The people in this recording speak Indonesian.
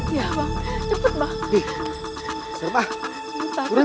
ya bang cepet bang